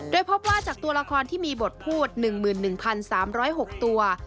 โดยพบว่าจากตัวละครที่มีบทพูด๑๑๓๐๖ตัว